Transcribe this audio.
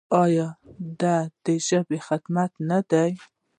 آیا دا د ژبې خدمت نه دی؟